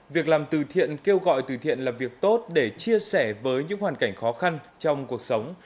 việc làm từ thiện kêu gọi từ thiện là việc tốt để chia sẻ với những hoàn cảnh khó khăn trong cuộc sống